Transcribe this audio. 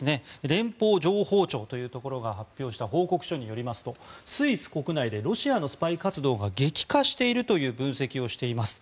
連邦情報庁というところが発表した報告書によりますとスイス国内でロシアのスパイ活動が激化しているという分析をしています。